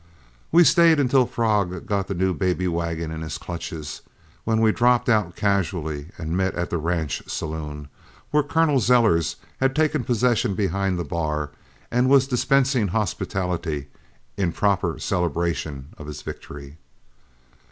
We stayed until Frog got the new baby wagon in his clutches, when we dropped out casually and met at the Ranch saloon, where Colonel Zellers had taken possession behind the bar and was dispensing hospitality in proper celebration of his victory."